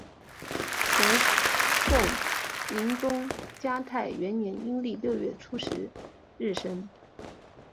南宋宁宗嘉泰元年阴历六月初十日生。